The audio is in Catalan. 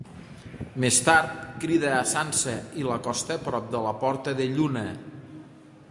Més tard crida a Sansa i l'acosta prop de la Porta de Lluna.